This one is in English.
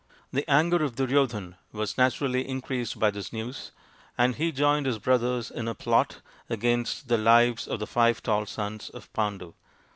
The anger of Duryo dhan was naturally increased by this news, and he joined his brothers in a plot against the lives of the five tall sons of Pandu.